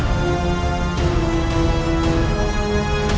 jangan soal itu